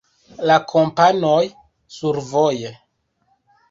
La Kompanoj: Survoje.